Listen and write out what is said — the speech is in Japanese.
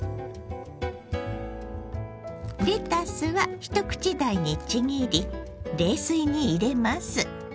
レタスは一口大にちぎり冷水に入れます。